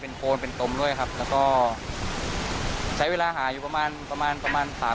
โคนเป็นกลมด้วยครับแล้วก็ใช้เวลาหาอยู่ประมาณประมาณประมาณสาม